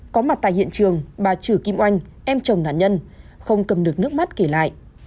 có mặt tại hiện trường bà chử kim oanh em chồng nạn nhân không cầm được nước mắt kể lại